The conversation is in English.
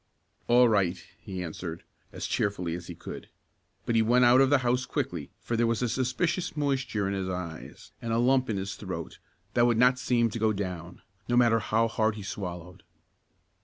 "All right," he answered, as cheerfully as he could, but he went out of the house quickly for there was a suspicious moisture in his eyes, and a lump in his throat that would not seem to go down, no matter how hard he swallowed.